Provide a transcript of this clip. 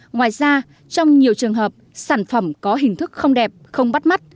ngoài ra trong nhiều trường hợp sản phẩm có hình thức không đẹp không bắt mắt